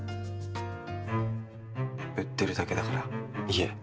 売ってるだけだから、家。